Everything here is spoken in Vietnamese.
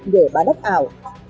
để bán đất ảo